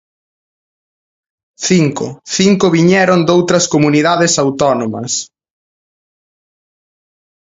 Cinco, cinco viñeron doutras comunidades autónomas.